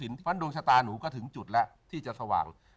เพราะฉะนั้นดวงชะตาหนูก็ถึงจุดแล้วที่จะสว่าง